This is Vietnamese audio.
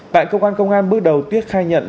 tại công an công an bước đầu tuyết khai nhận